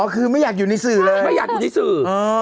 คือไม่อยากอยู่ในสื่อเลยไม่อยากอยู่ในสื่อ